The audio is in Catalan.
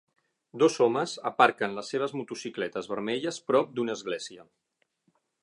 Dos homes aparquen les seves motocicletes vermelles prop d'una església.